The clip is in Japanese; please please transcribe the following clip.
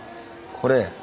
これ。